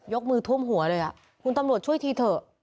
มือท่วมหัวเลยคุณตำรวจช่วยทีเถอะ